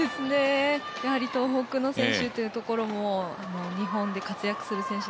東北の選手というところも日本で活躍する選手